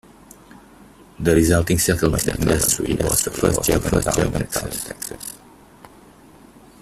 The resulting settlement, Industry, was the first German town in Texas.